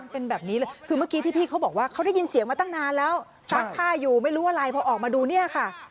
เป็นแบบนี้เลยคือเมื่อกี้ที่พี่เขาบอกว่าเขาได้ยินเสียงมาตั้งนานแล้วซักผ้าอยู่ไม่รู้อะไรพอออกมาดูเนี่ยค่ะ